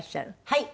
はい。